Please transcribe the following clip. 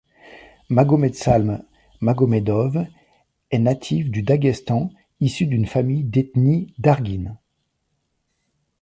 Magomedsalm Magomedov est natif du Daguestan, issu d'une famille d'ethnie darguine.